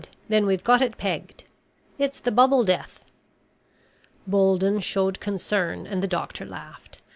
Then we've got it pegged. It's the Bubble Death." Bolden showed concern and the doctor laughed.